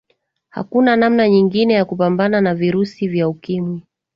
hakuna namna nyingine ya kupambana na virusi vya ukimwi